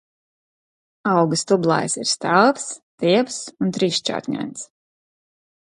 Auga stublājs ir stāvs, tievs un trīsšķautņains.